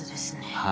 はい。